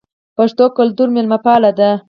پښتو کلتور میلمه پال دی